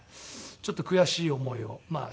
ちょっと悔しい思いをした。